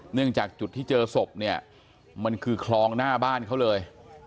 จากจุดที่เจอศพเนี่ยมันคือคลองหน้าบ้านเขาเลย